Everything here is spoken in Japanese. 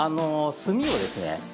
炭をですね